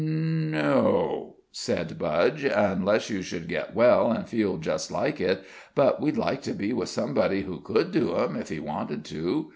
"N n no," said Budge, "unless you should get well an' feel just like it; but we'd like to be with somebody who could do 'em if he wanted to.